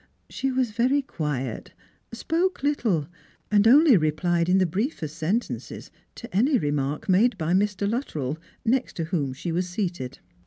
She was very quiet, spoke little, and only replied in the briefest sentences to any remark made by Mr. Luttrell, next to whom she w^is seated.